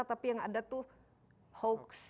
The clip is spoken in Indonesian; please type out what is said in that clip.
tapi yang ada tuh hoax